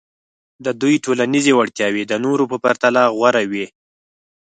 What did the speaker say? د دوی ټولنیزې وړتیاوې د نورو په پرتله غوره وې.